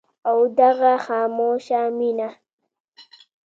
او دغه خاموشه مينه